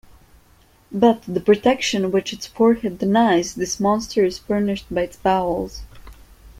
But the protection which its forehead denies this monster is furnished by its bowels.